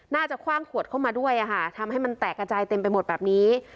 คว่างขวดเข้ามาด้วยทำให้มันแตกกระจายเต็มไปหมดแบบนี้